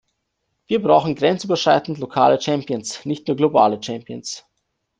Wir brauchen grenzüberschreitend lokale Champions, nicht nur globale Champions.